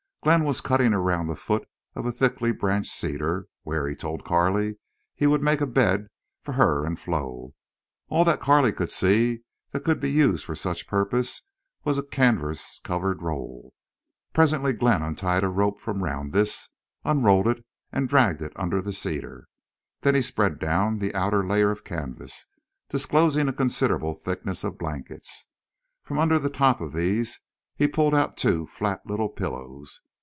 Glenn was cutting around the foot of a thickly branched cedar where, he told Carley, he would make a bed for her and Flo. All that Carley could see that could be used for such purpose was a canvas covered roll. Presently Glenn untied a rope from round this, unrolled it, and dragged it under the cedar. Then he spread down the outer layer of canvas, disclosing a considerable thickness of blankets. From under the top of these he pulled out two flat little pillows.